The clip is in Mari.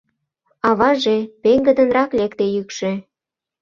— Аваже, — пеҥгыдынрак лекте йӱкшӧ.